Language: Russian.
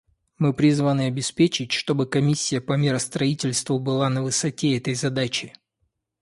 Мы призваны обеспечить, чтобы Комиссия по миростроительству была на высоте этой задачи.